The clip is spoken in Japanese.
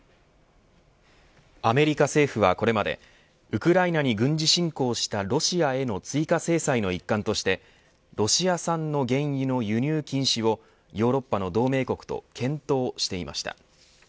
アメリカ政府はこれまでウクライナに軍事侵攻したロシアへの追加制裁の一環としてロシア産の原油の輸入禁止をヨーロッパの同盟国と検討していました。